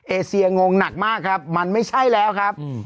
เอเซียงงหนักมากครับมันไม่ใช่แล้วครับ